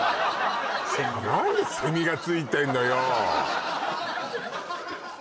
何でセミが付いてんのよ？